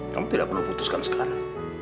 kamu tidak perlu putuskan sekarang